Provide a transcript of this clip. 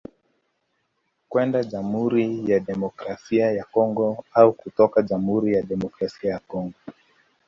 Kwenda Jamhuri ya Kidemokrasia ya Kongo au kutoka jamhuri ya Kidemokrasia ya Congo